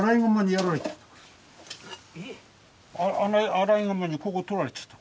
アライグマにここ取られちゃった。